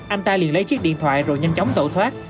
anh ta liền lấy chiếc điện thoại rồi nhanh chóng tẩu thoát